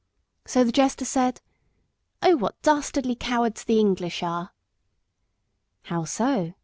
So the jester said "Oh! what dastardly cowards the English are!" "How so?"